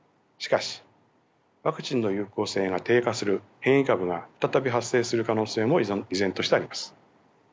しかしワクチンの有効性が低下する変異株が再び発生する可能性も依然としてあります。